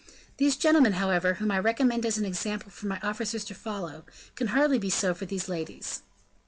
These gentlemen, however, whom I recommend as an example for my officers to follow, can hardly be so for these ladies."